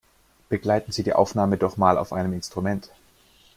Begleiten Sie die Aufnahme doch mal auf einem Instrument!